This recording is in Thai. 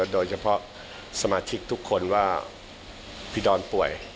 โดยเฉพาะสมาชิกทุกคนว่าพี่ดอนป่วย